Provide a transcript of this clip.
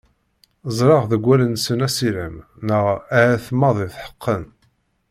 Ẓerreɣ deg wallen-nsen asirem neɣ ahat maḍi tḥeqqen.